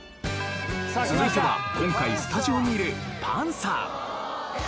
続いては今回スタジオにいるパンサー。